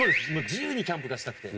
自由にキャンプがしたくて。